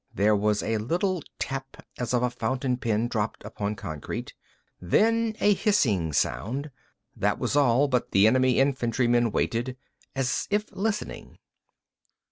There was a little tap as of a fountain pen dropped upon concrete. Then a hissing sound. That was all, but the enemy infantryman waited, as if listening....